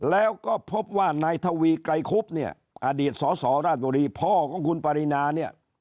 แล้วก็พบว่านายทวีใกล่ครุปอดีตสสราฐบุรีพ่อของคุณปรินา